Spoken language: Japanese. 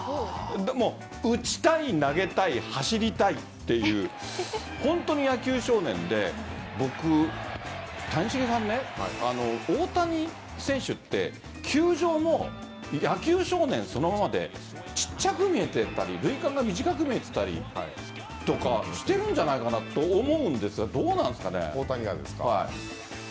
でも打ちたい、投げたい走りたいという本当に野球少年で大谷選手って球場も野球少年そのままでちっちゃく見えていたり塁間が短く見えていたりとかしているんじゃないかなと思うんですがどうなんですかね？